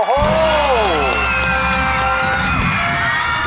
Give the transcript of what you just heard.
โอ้โห